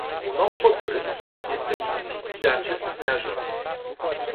Un om hotarît este lipsit de acest neajuns.